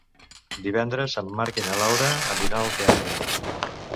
Divendres en Marc i na Laura aniran al teatre.